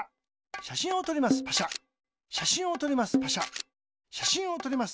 しゃしんをとります。